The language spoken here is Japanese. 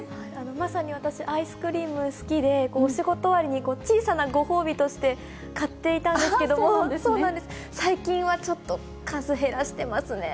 まさに私、アイスクリーム好きで、お仕事終わりに小さなご褒美として買っていたんですけども、最近はちょっと、数減らしてますね。